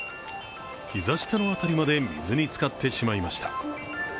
膝下の辺りまで、水につかってしまいました。